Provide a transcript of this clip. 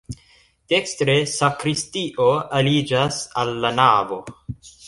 Dekstre sakristio aliĝas al la navo.